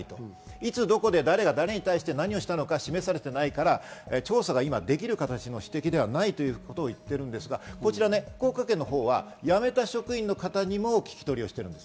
いつ、どこで誰が誰に対して何をしたのか示されていないから調査ができる形での指摘ではないと言ってるんですが、福岡県のほうは辞めた職員の方にも聞き取りをしています。